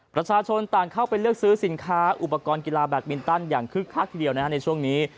ประชาชนต่างเข้าไปเลือกซื้อสินค้าอุปกรณ์กีฬาแบตมินตันอย่างคึกคักทีเดียวในช่วงนี้